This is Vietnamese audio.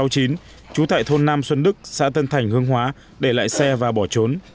trú tại thôn nam xuân đức xã tân thành hương hóa để lại xe và bỏ trốn